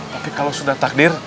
tapi kalo sudah tak dir